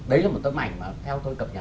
đấy là một tấm ảnh mà theo tôi cập nhật